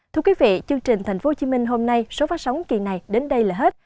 thưa quý vị chương trình tp hcm hôm nay số phát sóng kỳ này đến đây là hết